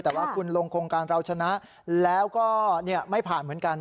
แต่ว่าคุณลงโครงการเราชนะแล้วก็ไม่ผ่านเหมือนกัน